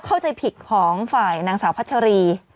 เข้าใจผิดของฝ่ายนางสาวพัชรี